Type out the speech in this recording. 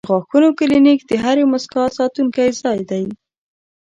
د غاښونو کلینک د هرې موسکا ساتونکی ځای دی.